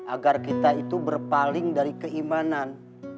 agar kita itu berpaling dari keimanan